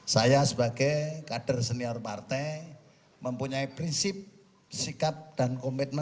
saya sebagai kader senior partai mempunyai prinsip sikap dan komitmen